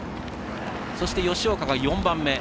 そして、吉岡が４番目。